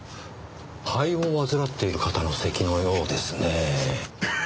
肺を患っている方のせきのようですねぇ。